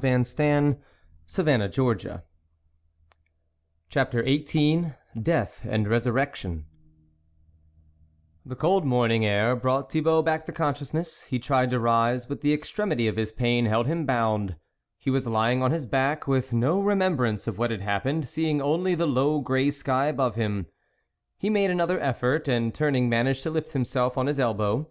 88 THE WOLF LEADER CHAPTER XVIII DEAJH AND RESURRECTION cold morning air brought Thi bault back to consciousness ; he tried to rise, but the extremity of his pain held him bound. He was lying on his back, with no remembrance of what had hap pened, seeing only the low grey sky above him. He made another effort, and turn ing managed to lift himself on his elbow.